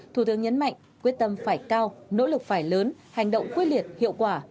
thủ tướng nhấn mạnh quyết tâm phải cao nỗ lực phải lớn hành động quyết liệt hiệu quả